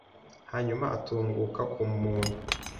Hanyuma atunguka ku muntu